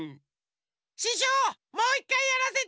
ししょうもういっかいやらせて！